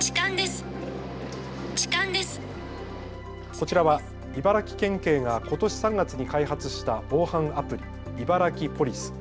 こちらは茨城県警がことし３月に開発した防犯アプリ、いばらきポリス。